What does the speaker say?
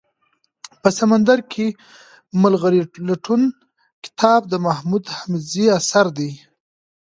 په سمندر کي دملغلرولټون کتاب دمحمودحميدزي اثر دئ